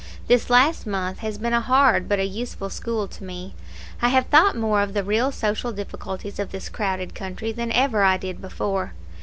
This last month has been a hard, but a useful school to me. I have thought more of the real social difficulties of this crowded country than ever I did before.